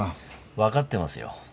わかってますよ。